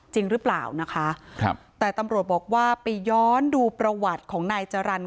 จริงหรือเปล่านะคะครับแต่ตำรวจบอกว่าไปย้อนดูประวัติของนายจรรย์